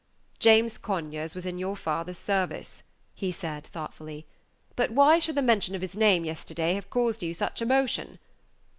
"James Conyers was in your father's service," he said, thoughtfully; "but why should the mention of his name yesterday have caused you such emotion?"